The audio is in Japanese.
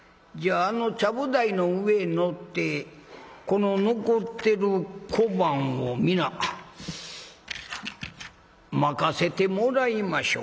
じゃああのちゃぶ台の上へ乗ってこの残ってる小判を皆まかせてもらいましょうかな。